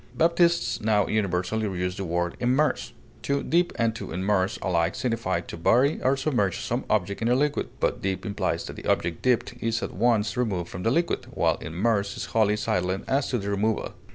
Baptists now universally use the word immerse. To dip and to immerse alike signify to bury or submerge some object in a liquid; but dip implies that the object dipped is at once removed from the liquid, while immerse is wholly silent as to the removal.